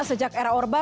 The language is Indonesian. sejak era orba